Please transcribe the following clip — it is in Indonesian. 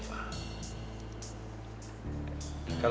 seperti kamu dengan reva